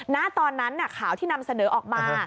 ณตอนนั้นข่าวที่นำเสนอออกมา